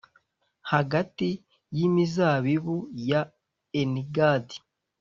hagati y’imizabibu ya Enigadi.